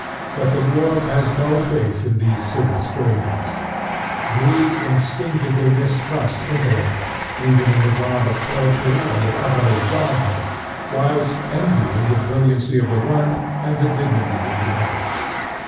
But the dwarf has no faith in these civil strangers: Greed instinctively mistrusts Intellect, even in the garb of Poetry and the company of Godhead, whilst envying the brilliancy of the one and the dignity of the other.